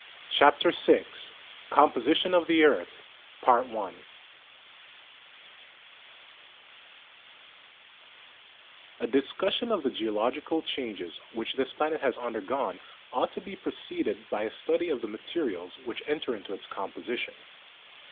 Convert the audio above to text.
CHAPTER VI COMPOSITION OF THE EARTH A discussion of the geological changes which this planet has undergone ought to be preceded by a study of the ma terials which enter into its composition.